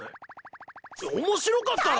面白かったろ！？